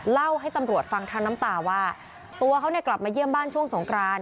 เล่าให้ตำรวจฟังทางน้ำตาว่าตัวเขาเนี่ยกลับมาเยี่ยมบ้านช่วงสงกราน